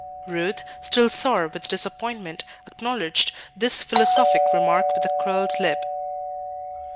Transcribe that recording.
Ruth, still sore with disappointment, acknowledged this philosophic remark with a curled lip.